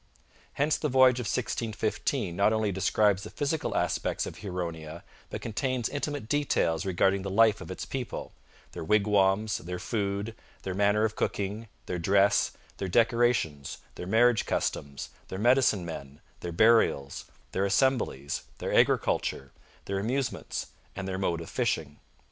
Hence the Voyage of 1615 not only describes the physical aspects of Huronia, but contains intimate details regarding the life of its people their wigwams, their food, their manner of cooking, their dress, their decorations, their marriage customs, their medicine men, their burials, their assemblies, their agriculture, their amusements, and their mode of fishing.